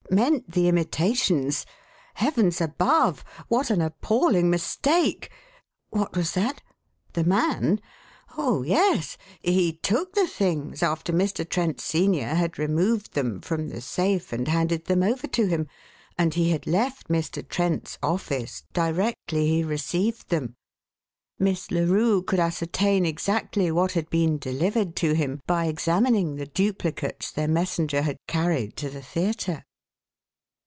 Meant the imitations? Heavens above, what an appalling mistake! What was that? The man? Oh, yes; he took the things after Mr. Trent, senior, had removed them from the safe and handed them over to him, and he had left Mr. Trent's office directly he received them. Miss Larue could ascertain exactly what had been delivered to him by examining the duplicates their messenger had carried to the theatre.